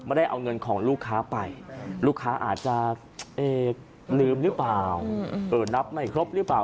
ได้เอาเงินของลูกค้าไปลูกค้าอาจจะลืมหรือเปล่านับไม่ครบหรือเปล่า